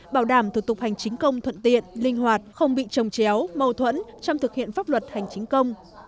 bảo đảm thủ tục hành chính công thuận tiện linh hoạt không bị trồng chéo mâu thuẫn trong thực hiện pháp luật hành chính công